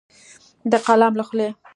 د قلم له خولې